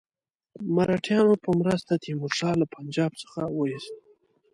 مرهټیانو په مرسته تیمور شاه له پنجاب څخه وایست.